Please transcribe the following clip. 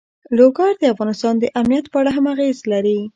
لوگر د افغانستان د امنیت په اړه هم اغېز لري.